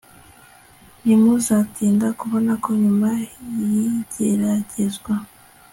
ntimuzatinda kubona ko nyuma yigeragezwa